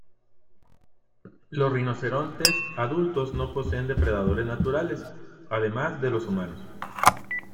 Los rinocerontes adultos no poseen depredadores naturales, además de los humanos.